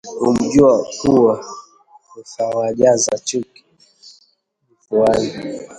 Kamjua kuwa ruthawajaza chuki vifuani?